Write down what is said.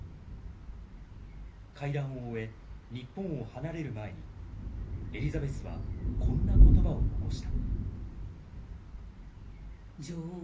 会談を終え日本を離れる前にエリザベスはこんな言葉を残した。